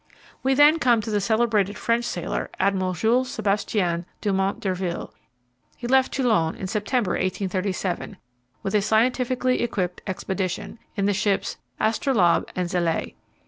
We then come to the celebrated French sailor, Admiral Jules Sébastien Dumont d'Urville. He left Toulon in September, 1837, with a scientifically equipped expedition, in the ships Astrolabe and Zélée.